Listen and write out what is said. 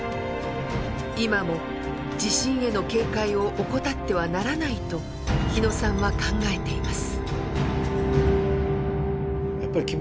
今も地震への警戒を怠ってはならないと日野さんは考えています。